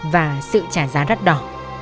và sự trả giá đắt đỏ